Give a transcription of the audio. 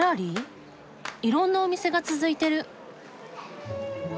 いろんなお店が続いてる。